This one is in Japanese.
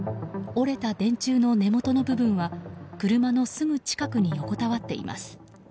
折れた電柱の根元の部分は車のすぐ近くに横たわっています。